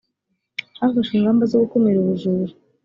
hafashwe ingamba zo gukumira ubujura